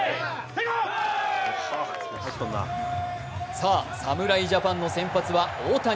さぁ、侍ジャパンの先発は大谷。